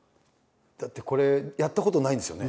だってこれやったことないんですよね。